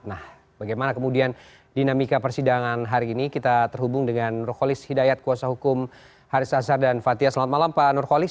nah bagaimana kemudian dinamika persidangan hari ini kita terhubung dengan nurholis hidayat kuasa hukum haris azhar dan fathia selamat malam pak nurholis